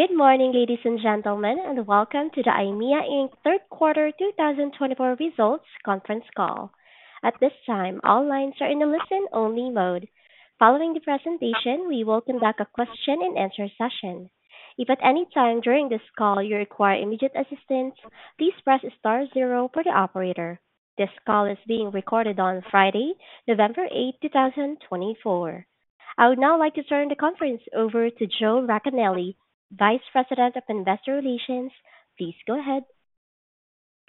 Good morning, ladies and gentlemen, and welcome to the Aimia Inc. Q3 2024 results conference call. At this time, all lines are in a listen-only mode. Following the presentation, we will conduct a question-and-answer session. If at any time during this call you require immediate assistance, please press *0 for the operator. This call is being recorded on Friday, November 8, 2024. I would now like to turn the conference over to Joe Racanelli, Vice President of Investor Relations. Please go ahead.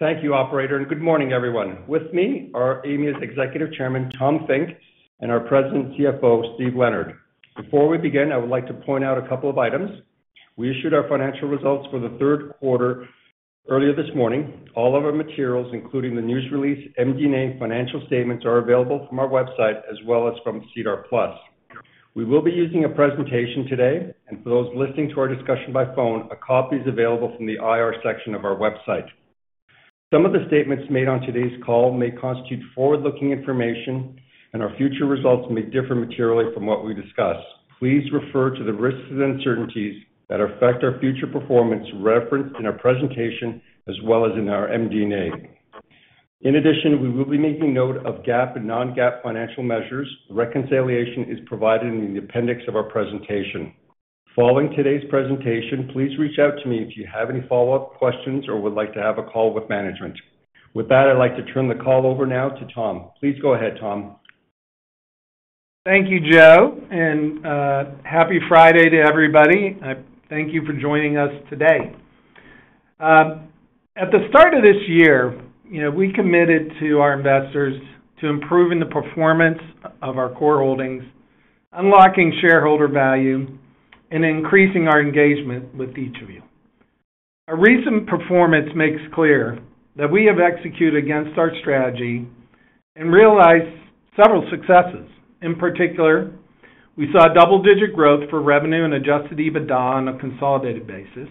Thank you, Operator, and good morning, everyone. With me are Aimia's Executive Chairman, Tom Finke, and our President, CFO, Steve Leonard. Before we begin, I would like to point out a couple of items. We issued our financial results for Q3 earlier this morning. All of our materials, including the news release, MD&A, and financial statements, are available from our website as well as from SEDAR+. We will be using a presentation today, and for those listening to our discussion by phone, a copy is available from the IR section of our website. Some of the statements made on today's call may constitute forward-looking information, and our future results may differ materially from what we discuss. Please refer to the risks and uncertainties that affect our future performance referenced in our presentation as well as in our MD&A. In addition, we will be making note of GAAP and non-GAAP financial measures. Reconciliation is provided in the appendix of our presentation. Following today's presentation, please reach out to me if you have any follow-up questions or would like to have a call with management. With that, I'd like to turn the call over now to Tom. Please go ahead, Tom. Thank you, Joe, and happy Friday to everybody. Thank you for joining us today. At the start of this year, we committed to our investors to improving the performance of our core holdings, unlocking shareholder value, and increasing our engagement with each of you. Our recent performance makes clear that we have executed against our strategy and realized several successes. In particular, we saw double-digit growth for revenue and Adjusted EBITDA on a consolidated basis.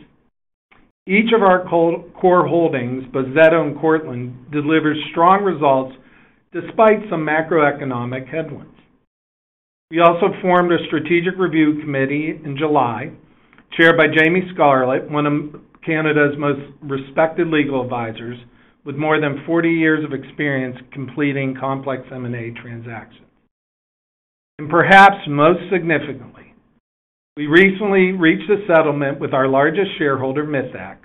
Each of our core holdings, Bozzetto and Cortland, delivered strong results despite some macroeconomic headwinds. We also formed a Strategic Review Committee in July, chaired by Jamie Scarlett, one of Canada's most respected legal advisors, with more than 40 years of experience completing complex M&A transactions. Perhaps most significantly, we recently reached a settlement with our largest shareholder, Mithaq,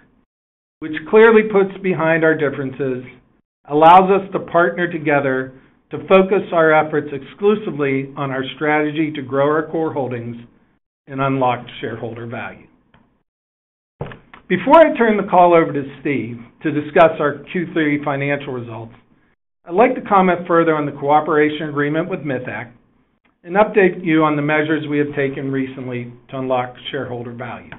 which clearly puts behind our differences and allows us to partner together to focus our efforts exclusively on our strategy to grow our core holdings and unlock shareholder value. Before I turn the call over to Steve to discuss our Q3 financial results, I'd like to comment further on the cooperation agreement with Mithaq and update you on the measures we have taken recently to unlock shareholder value.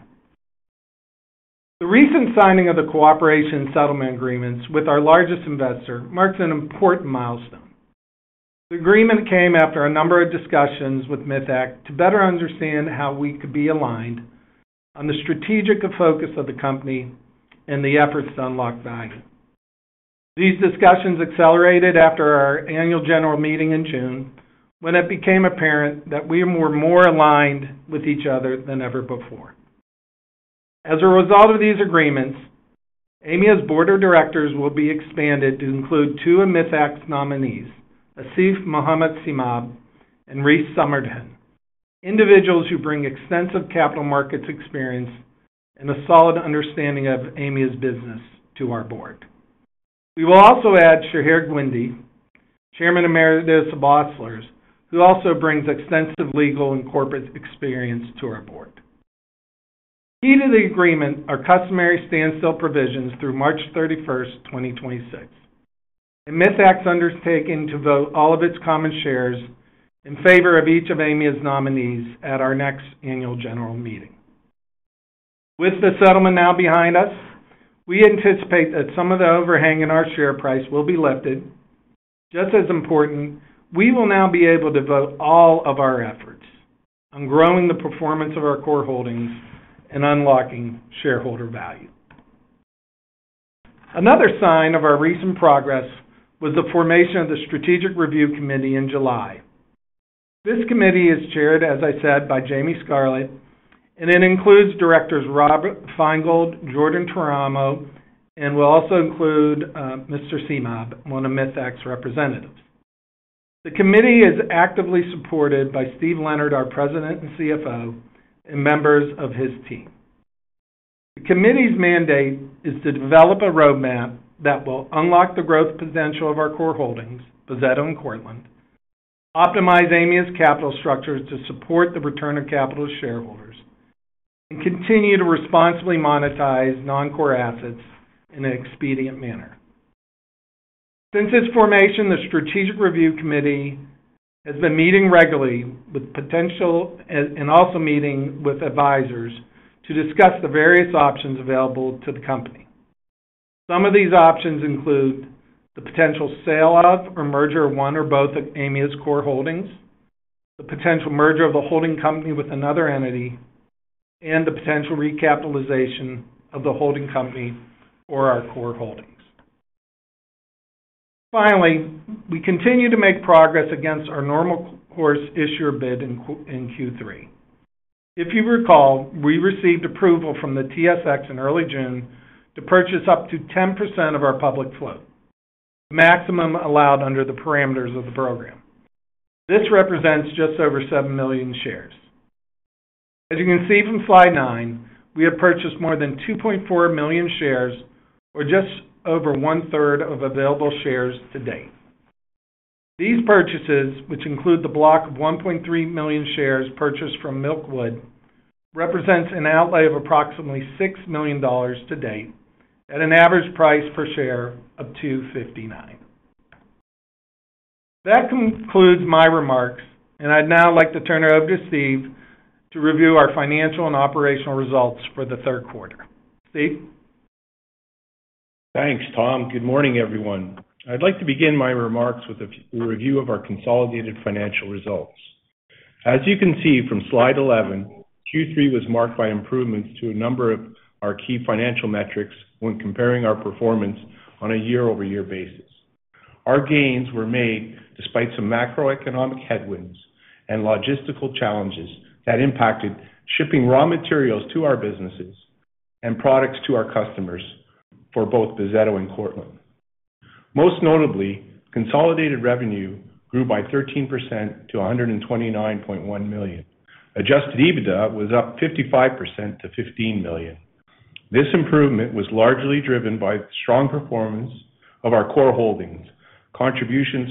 The recent signing of the cooperation settlement agreements with our largest investor marks an important milestone. The agreement came after a number of discussions with Mithaq to better understand how we could be aligned on the strategic focus of the company and the efforts to unlock value. These discussions accelerated after our annual general meeting in June when it became apparent that we were more aligned with each other than ever before. As a result of these agreements, Aimia's board of directors will be expanded to include two of Mithaq's nominees, Asif Mohammad Seemab and Rhys Summerton, individuals who bring extensive capital markets experience and a solid understanding of Aimia's business to our board. We will also add Shahir Guindi, Chairman Emeritus of Osler's, who also brings extensive legal and corporate experience to our board. Key to the agreement are customary standstill provisions through March 31, 2026, and Mithaq's undertaking to vote all of its common shares in favor of each of Aimia's nominees at our next annual general meeting. With the settlement now behind us, we anticipate that some of the overhang in our share price will be lifted. Just as important, we will now be able to vote all of our efforts on growing the performance of our core holdings and unlocking shareholder value. Another sign of our recent progress was the formation of the Strategic Review Committee in July. This committee is chaired, as I said, by Jamie Scarlett, and it includes Directors Robert Feingold, Jordan Teramo, and will also include Mr. Seemab, one of Mithaq's representatives. The committee is actively supported by Steve Leonard, our President and CFO, and members of his team. The committee's mandate is to develop a roadmap that will unlock the growth potential of our core holdings, Bozzetto and Cortland, optimize Aimia's capital structure to support the return of capital shareholders, and continue to responsibly monetize non-core assets in an expedient manner. Since its formation, the Strategic Review Committee has been meeting regularly with potential and also meeting with advisors to discuss the various options available to the company. Some of these options include the potential sale of or merger of one or both of Aimia's core holdings, the potential merger of the holding company with another entity, and the potential recapitalization of the holding company or our core holdings. Finally, we continue to make progress against our Normal Course Issuer Bid in Q3. If you recall, we received approval from the TSX in early June to purchase up to 10% of our public float, the maximum allowed under the parameters of the program. This represents just over 7 million shares. As you can see from Slide 9, we have purchased more than 2.4 million shares, or just over 1/3 of available shares to date. These purchases, which include the block of 1.3 million shares purchased from Milkwood, represent an outlay of approximately 6 million dollars to date at an average price per share of 2.59. That concludes my remarks, and I'd now like to turn it over to Steve to review our financial and operational results for Q3. Steve? Thanks, Tom. Good morning, everyone. I'd like to begin my remarks with a review of our consolidated financial results. As you can see from slide 11, Q3 was marked by improvements to a number of our key financial metrics when comparing our performance on a year-over-year basis. Our gains were made despite some macroeconomic headwinds and logistical challenges that impacted shipping raw materials to our businesses and products to our customers for both Bozzetto and Cortland. Most notably, consolidated revenue grew by 13% to 129.1 million. Adjusted EBITDA was up 55% to 15 million. This improvement was largely driven by the strong performance of our core holdings, contributions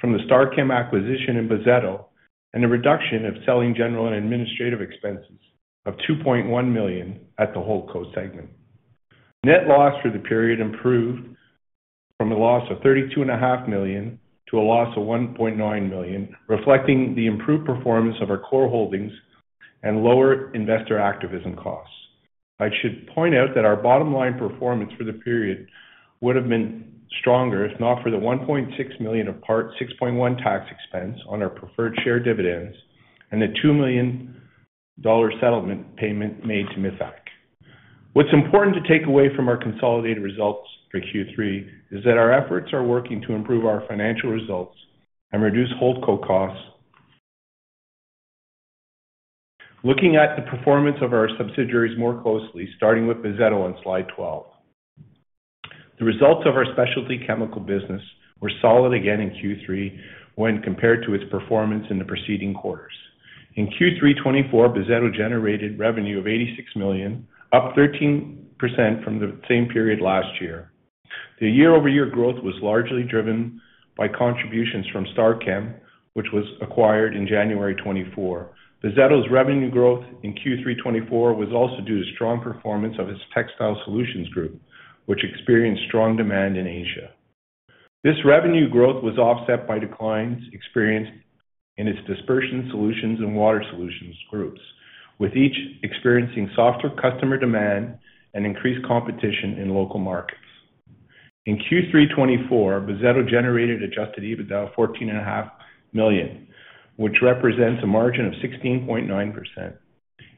from the StarChem acquisition in Bozzetto, and a reduction of selling general and administrative expenses of 2.1 million at the Kognitiv segment. Net loss for the period improved from a loss of 32.5 million to a loss of 1.9 million, reflecting the improved performance of our core holdings and lower investor activism costs. I should point out that our bottom-line performance for the period would have been stronger if not for the 1.6 million of Part 6.1 tax expense on our preferred share dividends and the 2 million dollar settlement payment made to Mithaq. What's important to take away from our consolidated results for Q3 is that our efforts are working to improve our financial results and reduce overall costs. Looking at the performance of our subsidiaries more closely, starting with Bozzetto on slide 12, the results of our specialty chemical business were solid again in Q3 when compared to its performance in the preceding quarters. In Q3 2024, Bozzetto generated revenue of 86 million, up 13% from the same period last year. The year-over-year growth was largely driven by contributions from StarChem, which was acquired in January 2024. Bozzetto's revenue growth in Q3 2024 was also due to strong performance of its textile solutions group, which experienced strong demand in Asia. This revenue growth was offset by declines experienced in its dispersion solutions and water solutions groups, with each experiencing softer customer demand and increased competition in local markets. In Q3 2024, Bozzetto generated Adjusted EBITDA of 14.5 million, which represents a margin of 16.9%.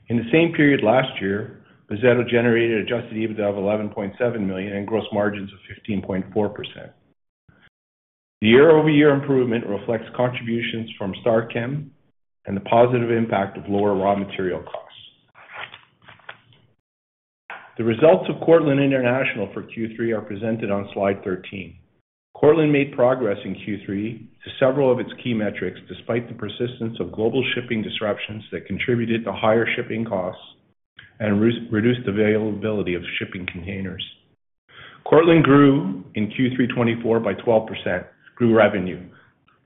In the same period last year, Bozzetto generated Adjusted EBITDA of 11.7 million and gross margins of 15.4%. The year-over-year improvement reflects contributions from StarChem and the positive impact of lower raw material costs. The results of Cortland International for Q3 are presented on slide 13. Cortland made progress in Q3 to several of its key metrics despite the persistence of global shipping disruptions that contributed to higher shipping costs and reduced availability of shipping containers. Cortland grew in Q3 '24 by 12% through revenue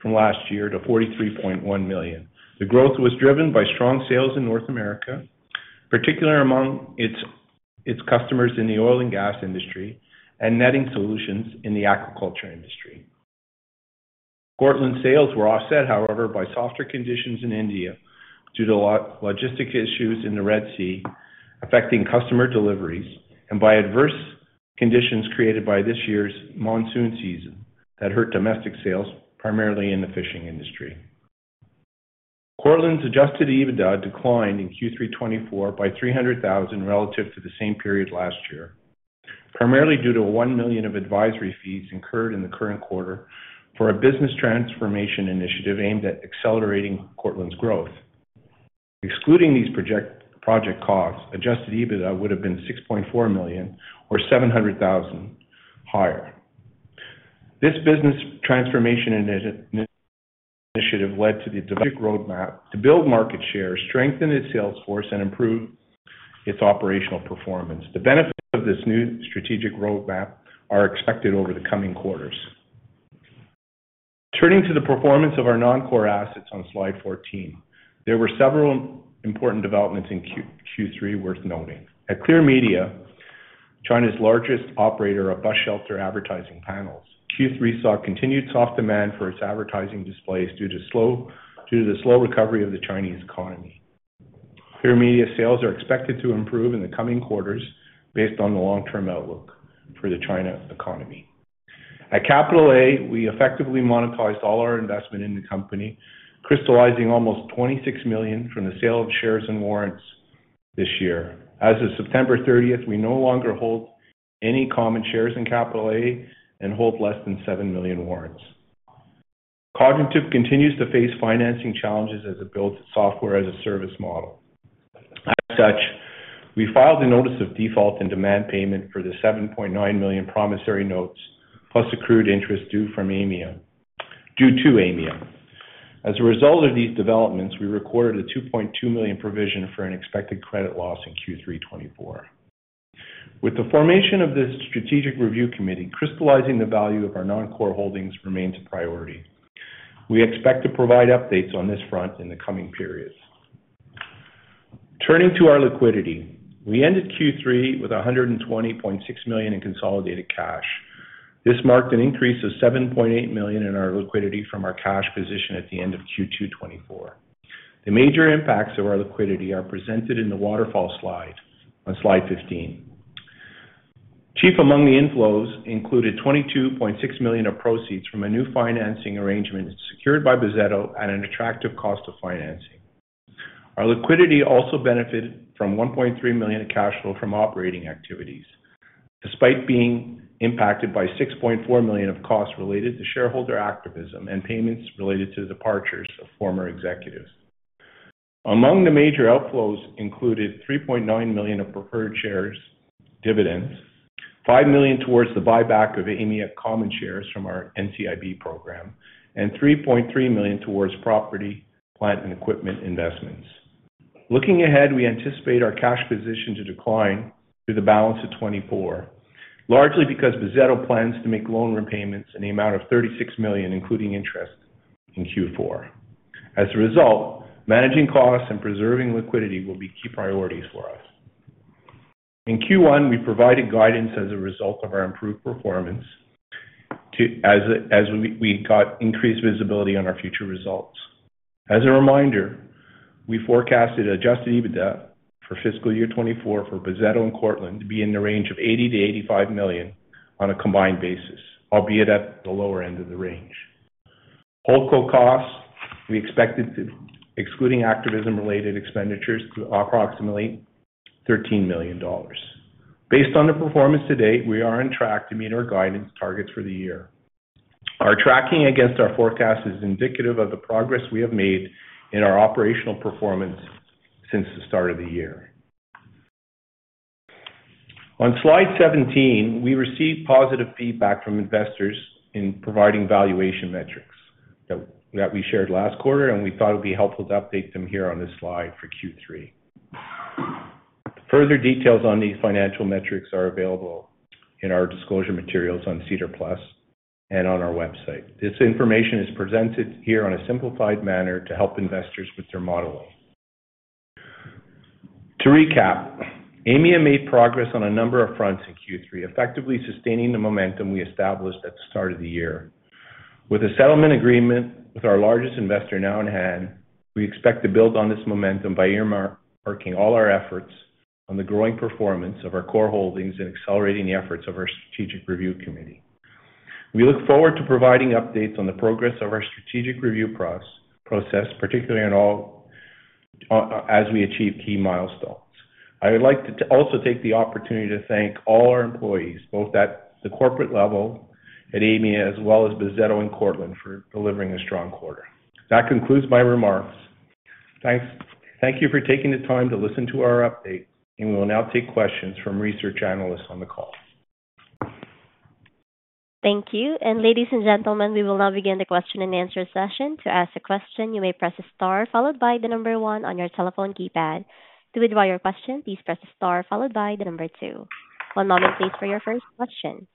from last year to 43.1 million. The growth was driven by strong sales in North America, particularly among its customers in the oil and gas industry and netting solutions in the aquaculture industry. Cortland's sales were offset, however, by softer conditions in India due to logistics issues in the Red Sea affecting customer deliveries and by adverse conditions created by this year's monsoon season that hurt domestic sales, primarily in the fishing industry. Cortland's Adjusted EBITDA declined in Q3 2024 by 300,000 relative to the same period last year, primarily due to 1 million of advisory fees incurred in the current quarter for a business transformation initiative aimed at accelerating Cortland's growth. Excluding these project costs, Adjusted EBITDA would have been 6.4 million or 700,000 higher. This business transformation initiative led to the strategic roadmap to build market share, strengthen its sales force, and improve its operational performance. The benefits of this new strategic roadmap are expected over the coming quarters. Turning to the performance of our non-core assets on slide 14, there were several important developments in Q3 worth noting. At Clear Media, China's largest operator of bus shelter advertising panels, Q3 saw continued soft demand for its advertising displays due to the slow recovery of the Chinese economy. Clear Media sales are expected to improve in the coming quarters based on the long-term outlook for the China economy. At Capital A, we effectively monetized all our investment in the company, crystallizing almost 26 million from the sale of shares and warrants this year. As of September 30, we no longer hold any common shares in Capital A and hold less than 7 million warrants. Kognitiv continues to face financing challenges as it builds its software-as-a-service model. As such, we filed a notice of default and demand payment for the 7.9 million promissory notes plus accrued interest due to Aimia. As a result of these developments, we recorded a 2.2 million provision for an expected credit loss in Q3 2024. With the formation of the Strategic Review Committee, crystallizing the value of our non-core holdings remains a priority. We expect to provide updates on this front in the coming periods. Turning to our liquidity, we ended Q3 with 120.6 million in consolidated cash. This marked an increase of 7.8 million in our liquidity from our cash position at the end of Q2 2024. The major impacts of our liquidity are presented in the waterfall slide on slide 15. Chief among the inflows included 22.6 million of proceeds from a new financing arrangement secured by Bozzetto at an attractive cost of financing. Our liquidity also benefited from 1.3 million of cash flow from operating activities, despite being impacted by 6.4 million of costs related to shareholder activism and payments related to the departures of former executives. Among the major outflows included 3.9 million of preferred shares dividends, 5 million towards the buyback of Aimia common shares from our NCIB program, and 3.3 million towards property, plant, and equipment investments. Looking ahead, we anticipate our cash position to decline through the balance of 2024, largely because Bozzetto plans to make loan repayments in the amount of 36 million, including interest, in Q4. As a result, managing costs and preserving liquidity will be key priorities for us. In Q1, we provided guidance as a result of our improved performance as we got increased visibility on our future results. As a reminder, we forecasted Adjusted EBITDA for fiscal year 2024 for Bozzetto and Cortland to be in the range of 80 million-85 million on a combined basis, albeit at the lower end of the range. Worldwide costs, we expected, excluding activism-related expenditures, to approximately 13 million dollars. Based on the performance to date, we are on track to meet our guidance targets for the year. Our tracking against our forecast is indicative of the progress we have made in our operational performance since the start of the year. On slide 17, we received positive feedback from investors in providing valuation metrics that we shared last quarter, and we thought it would be helpful to update them here on this slide for Q3. Further details on these financial metrics are available in our disclosure materials on SEDAR+ and on our website. This information is presented here in a simplified manner to help investors with their modeling. To recap, Aimia made progress on a number of fronts in Q3, effectively sustaining the momentum we established at the start of the year. With a settlement agreement with our largest investor now in hand, we expect to build on this momentum by earmarking all our efforts on the growing performance of our core holdings and accelerating the efforts of our Strategic Review Committee. We look forward to providing updates on the progress of our Strategic Review process, particularly as we achieve key milestones. I would like to also take the opportunity to thank all our employees, both at the corporate level at Aimia as well as Bozzetto and Cortland, for delivering a strong quarter. That concludes my remarks. Thank you for taking the time to listen to our update, and we will now take questions from research analysts on the call. Thank you. Ladies and gentlemen, we will now begin the question and answer session. To ask a question, you may press the star followed by the number one on your telephone keypad. To withdraw your question, please press the star followed by the number two. One moment, please, for your first question.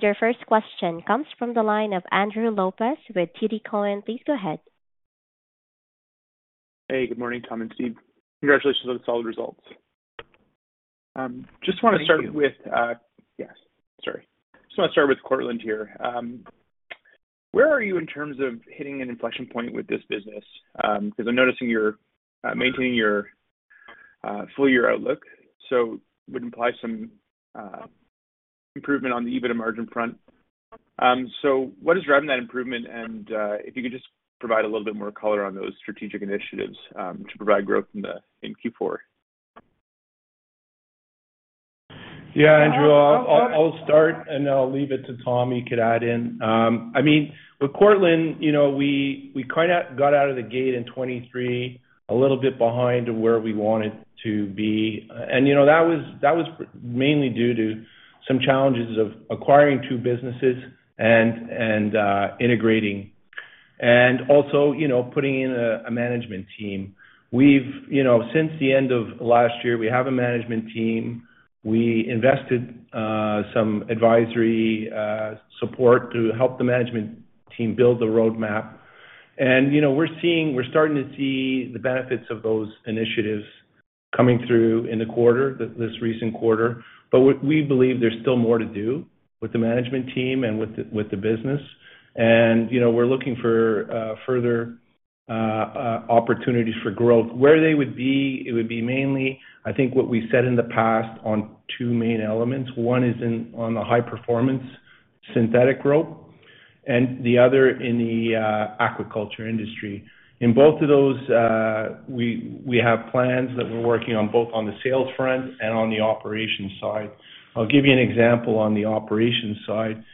Your first question comes from the line of Andrew Lopez with TD Cowen. Please go ahead. Hey, good morning, Tom and Steve. Congratulations on the solid results. Just want to start with. Thank you. Yes. Sorry. Just want to start with Cortland here. Where are you in terms of hitting an inflection point with this business? Because I'm noticing you're maintaining your full-year outlook, so it would imply some improvement on the EBITDA margin front. So what is driving that improvement? And if you could just provide a little bit more color on those strategic initiatives to provide growth in Q4. Yeah, Andrew, I'll start, and I'll leave it to Tom. He could add in. I mean, with Cortland, we kind of got out of the gate in 2023 a little bit behind where we wanted to be. And that was mainly due to some challenges of acquiring two businesses and integrating, and also putting in a management team. Since the end of last year, we have a management team. We invested some advisory support to help the management team build the roadmap. And we're starting to see the benefits of those initiatives coming through in the quarter, this recent quarter. But we believe there's still more to do with the management team and with the business. And we're looking for further opportunities for growth. Where they would be, it would be mainly, I think, what we said in the past on two main elements. One is on the high-performance synthetic growth, and the other in the aquaculture industry. In both of those, we have plans that we're working on both on the sales front and on the operations side. I'll give you an example on the operations side.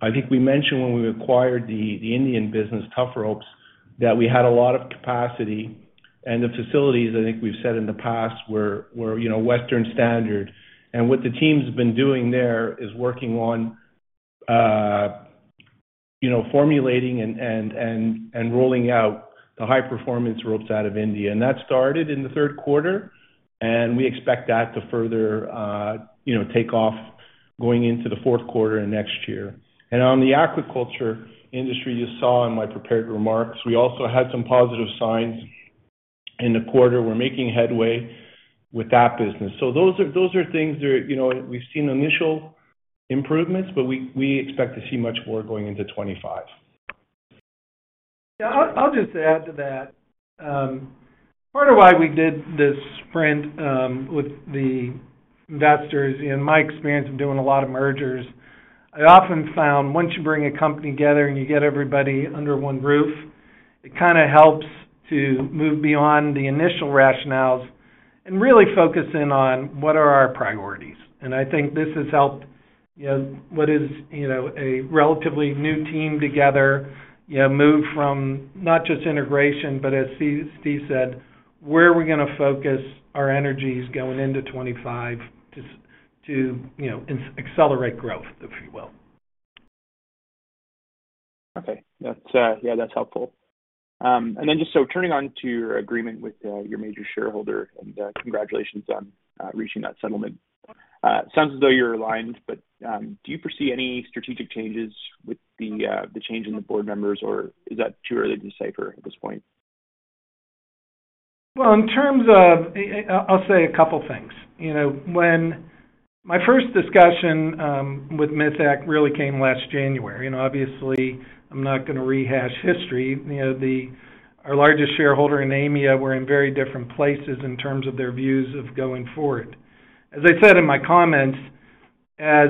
I think we mentioned when we acquired the Indian business, Tuffropes, that we had a lot of capacity, and the facilities, I think we've said in the past, were Western standard, and what the team's been doing there is working on formulating and rolling out the high-performance ropes out of India, and that started in the Q3, and we expect that to further take off going into the Q4 and next year, and on the aquaculture industry, you saw in my prepared remarks, we also had some positive signs in the quarter. We're making headway with that business. So those are things that we've seen initial improvements, but we expect to see much more going into 2025. Yeah, I'll just add to that. Part of why we did this sprint with the investors and my experience of doing a lot of mergers, I often found once you bring a company together and you get everybody under one roof, it kind of helps to move beyond the initial rationales and really focus in on what are our priorities. And I think this has helped what is a relatively new team together move from not just integration, but as Steve said, where are we going to focus our energies going into 2025 to accelerate growth, if you will. Okay. Yeah, that's helpful. And then just turning to your agreement with your major shareholder, and congratulations on reaching that settlement. Sounds as though you're aligned, but do you foresee any strategic changes with the change in the board members, or is that too early to decipher at this point? In terms of, I'll say a couple of things. My first discussion with Mithaq really came last January. Obviously, I'm not going to rehash history. Our largest shareholder in Aimia, we're in very different places in terms of their views of going forward. As I said in my comments, as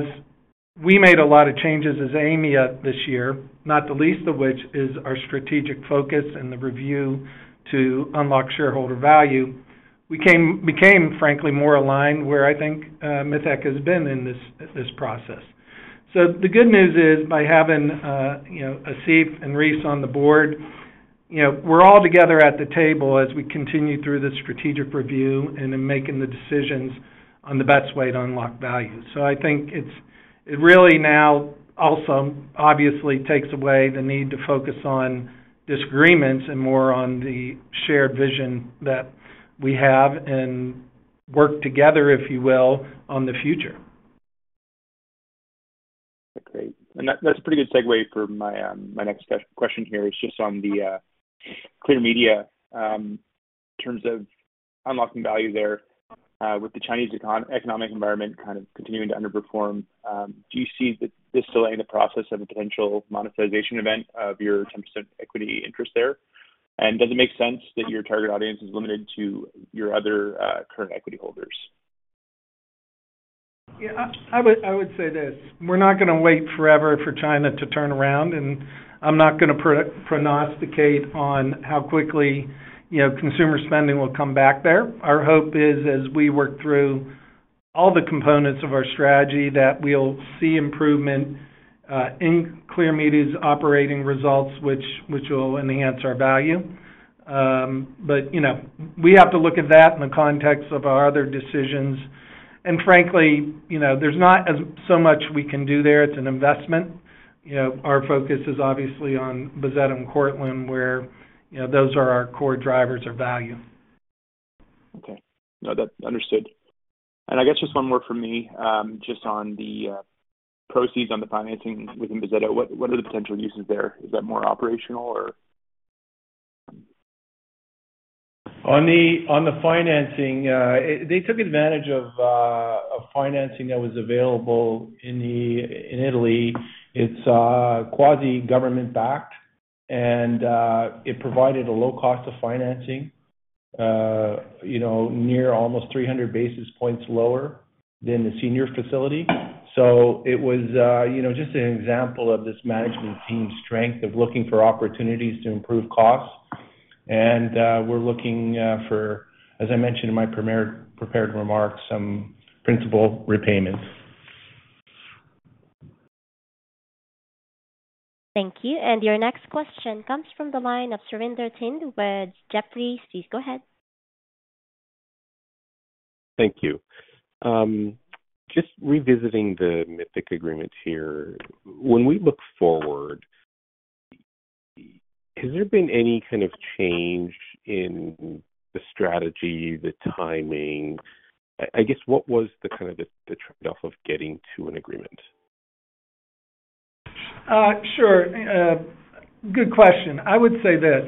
we made a lot of changes as Aimia this year, not the least of which is our strategic focus and the review to unlock shareholder value, we became, frankly, more aligned where I think Mithaq has been in this process. The good news is by having Asif and Rhys on the board, we're all together at the table as we continue through the strategic review and in making the decisions on the best way to unlock value. I think it really now also obviously takes away the need to focus on disagreements and more on the shared vision that we have and work together, if you will, on the future. Great. And that's a pretty good segue for my next question here, is just on the Clear Media in terms of unlocking value there with the Chinese economic environment kind of continuing to underperform. Do you see this delay in the process of a potential monetization event of your 10% equity interest there? And does it make sense that your target audience is limited to your other current equity holders? Yeah, I would say this. We're not going to wait forever for China to turn around, and I'm not going to prognosticate on how quickly consumer spending will come back there. Our hope is, as we work through all the components of our strategy, that we'll see improvement in Clear Media's operating results, which will enhance our value. But we have to look at that in the context of our other decisions. And frankly, there's not so much we can do there. It's an investment. Our focus is obviously on Bozzetto and Cortland, where those are our core drivers of value. Okay. No, that's understood. And I guess just one more from me, just on the proceeds on the financing within Bozzetto, what are the potential uses there? Is that more operational or? On the financing, they took advantage of financing that was available in Italy. It's quasi-government-backed, and it provided a low cost of financing, near almost 300 basis points lower than the senior facility. So it was just an example of this management team's strength of looking for opportunities to improve costs. And we're looking for, as I mentioned in my prepared remarks, some principal repayments. Thank you. And your next question comes from the line of Surinder Thind with Jefferies. Please go ahead. Thank you. Just revisiting the Mithaq agreements here, when we look forward, has there been any kind of change in the strategy, the timing? I guess, what was the kind of the trade-off of getting to an agreement? Sure. Good question. I would say this.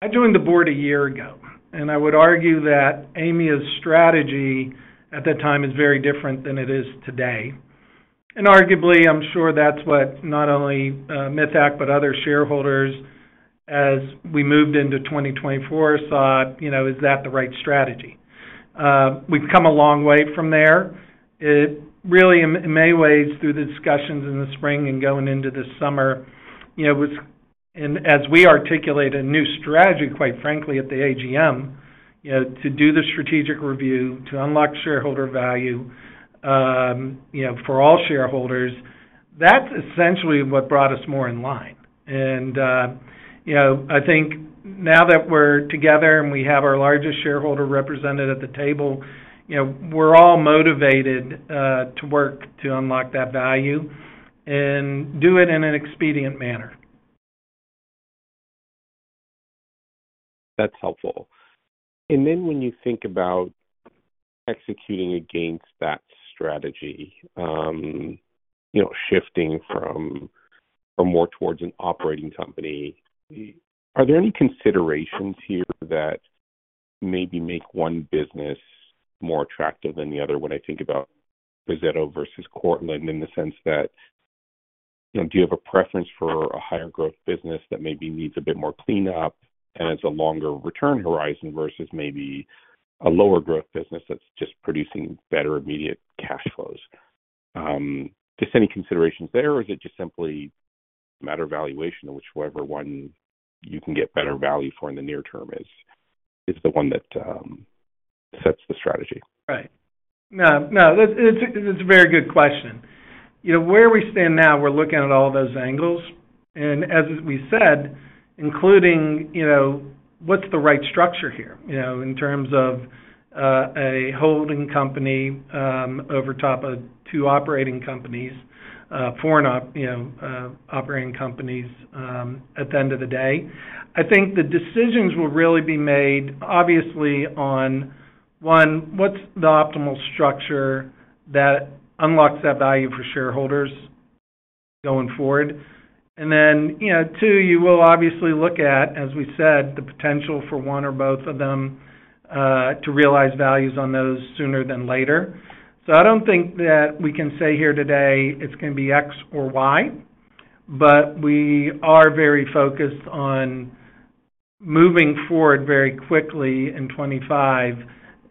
I joined the board a year ago, and I would argue that Aimia's strategy at that time is very different than it is today. And arguably, I'm sure that's what not only Mithaq but other shareholders, as we moved into 2024, thought, "Is that the right strategy?" We've come a long way from there. Really, in many ways, through the discussions in the spring and going into the summer, as we articulate a new strategy, quite frankly, at the AGM, to do the strategic review, to unlock shareholder value for all shareholders, that's essentially what brought us more in line. And I think now that we're together and we have our largest shareholder represented at the table, we're all motivated to work to unlock that value and do it in an expedient manner. That's helpful. And then when you think about executing against that strategy, shifting from more towards an operating company, are there any considerations here that maybe make one business more attractive than the other when I think about Bozzetto versus Cortland in the sense that do you have a preference for a higher-growth business that maybe needs a bit more cleanup and has a longer return horizon versus maybe a lower-growth business that's just producing better immediate cash flows? Just any considerations there, or is it just simply a matter of valuation of whichever one you can get better value for in the near term is the one that sets the strategy? Right. No, no, it's a very good question. Where we stand now, we're looking at all those angles. And as we said, including what's the right structure here in terms of a holding company over top of two operating companies, four operating companies at the end of the day. I think the decisions will really be made, obviously, on, one, what's the optimal structure that unlocks that value for shareholders going forward? And then, two, you will obviously look at, as we said, the potential for one or both of them to realize values on those sooner than later. So I don't think that we can say here today it's going to be X or Y, but we are very focused on moving forward very quickly in 2025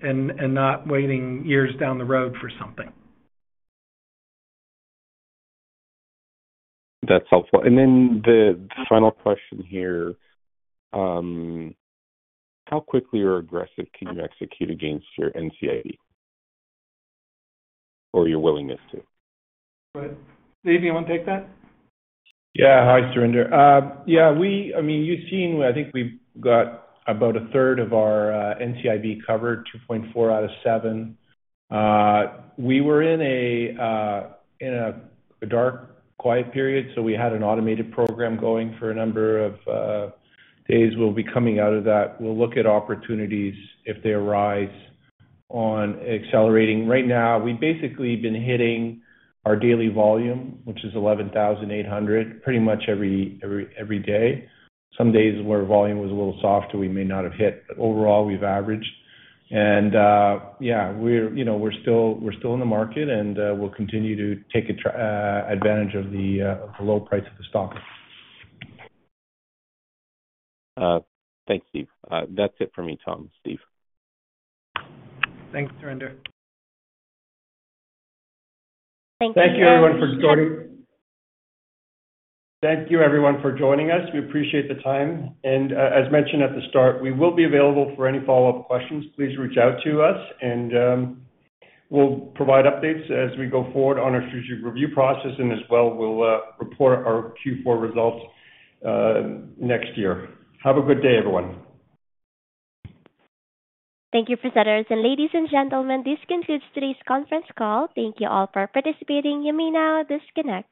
and not waiting years down the road for something. That's helpful. And then the final question here, how quickly or aggressive can you execute against your NCIB or your willingness to? Right. Steve, you want to take that? Yeah. Hi, Surinder. Yeah, I mean, you've seen I think we've got about a third of our NCIB covered, 2.4 out of 7. We were in a dark, quiet period, so we had an automated program going for a number of days. We'll be coming out of that. We'll look at opportunities if they arise on accelerating. Right now, we've basically been hitting our daily volume, which is 11,800, pretty much every day. Some days where volume was a little softer, we may not have hit. But overall, we've averaged, and yeah, we're still in the market, and we'll continue to take advantage of the low price of the stock. Thanks, Steve. That's it for me, Tom. Steve. Thanks, Surinder. Thank you. Thank you, everyone, for joining. Thank you, everyone, for joining us. We appreciate the time. As mentioned at the start, we will be available for any follow-up questions. Please reach out to us, and we'll provide updates as we go forward on our strategic review process. As well, we'll report our Q4 results next year. Have a good day, everyone. Thank you, presenters. And ladies and gentlemen, this concludes today's conference call. Thank you all for participating. You may now disconnect.